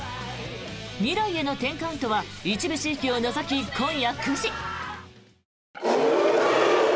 「未来への１０カウント」は一部地域を除き、今夜９時。